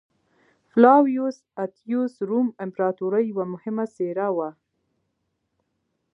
فلاویوس اتیوس روم امپراتورۍ یوه مهمه څېره وه